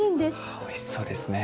ああおいしそうですね。